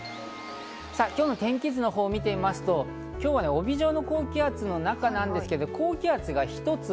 今日の天気図を見てみますと今日は帯状の高気圧の中なんですけど、高気圧が一つ。